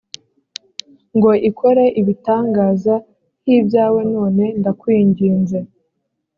ngo ikore ibitangaza nk ibyawe none ndakwinginze